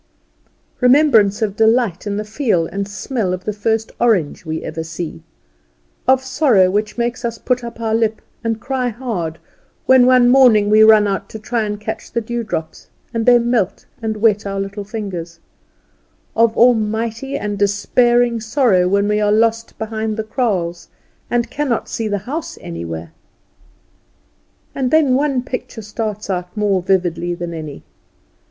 Remembrance of delight in the feel and smell of the first orange we ever see; of sorrow which makes us put up our lip, and cry hard, when one morning we run out to try and catch the dewdrops, and they melt and wet our little fingers; of almighty and despairing sorrow when we are lost behind the kraals, and cannot see the house anywhere. And then one picture starts out more vividly than any.